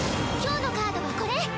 今日のカードはこれ！